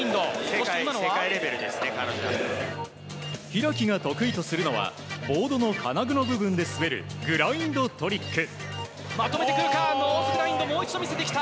開が得意とするのはボードの金具の部分で滑るグラインドトリック。